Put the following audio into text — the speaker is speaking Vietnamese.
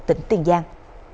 tỉnh tiền giang